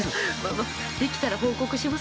◆ま、まあできたら報告します。